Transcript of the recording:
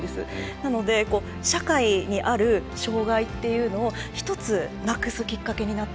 なので、社会にある障がいっていうのを一つなくすきっかけになった。